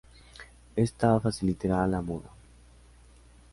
Esta facilitará la muda.